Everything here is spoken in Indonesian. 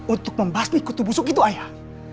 untuk membahas mikutu busuk itu ayah